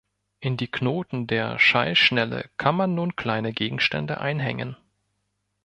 In die Knoten der Schallschnelle kann man nun kleine Gegenstände „einhängen“.